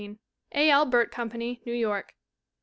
A. L. Burt Company, New York.